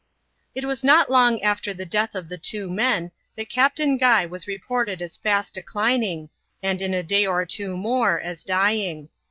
It was not long after the death of the two men, that Captau Guy was reported* as fast declining, and in a day or two morei as dying.